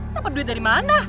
napa duit dari mana